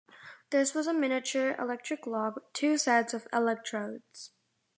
This was a miniature electric log with two sets of electrodes.